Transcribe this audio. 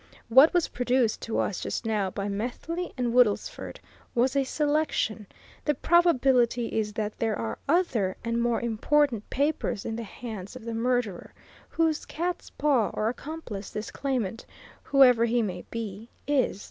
What was produced to us just now by Methley and Woodlesford was a selection the probability is that there are other and more important papers in the hands of the murderer, whose cat's paw or accomplice this claimant, whoever he may be, is.